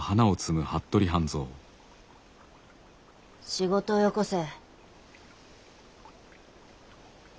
仕事をよこせ。